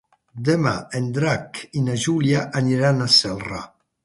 Demà en Drac i na Júlia aniran a Celrà.